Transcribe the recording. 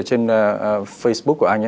trên facebook của anh